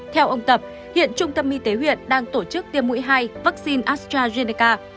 theo ông tập hiện trung tâm y tế huyện đang tổ chức tiêm mũi hai vaccine astrazeneca